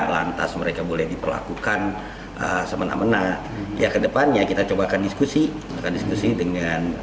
lantas mereka boleh diperlakukan semena mena dia kedepannya kita coba kan diskusi diskusi dengan